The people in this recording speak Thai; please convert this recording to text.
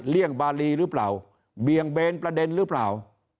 บารีหรือเปล่าเบี่ยงเบนประเด็นหรือเปล่า